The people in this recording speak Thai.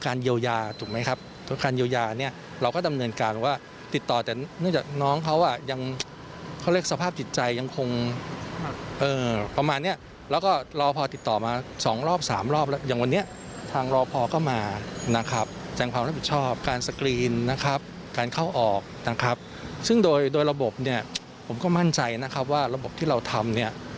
การเข้าออกนะครับซึ่งโดยระบบผมก็มั่นใจนะครับว่าระบบที่เราทำ